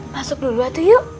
masuk dulu atuh yuk